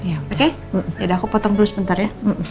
oke ya udah aku potong dulu sebentar ya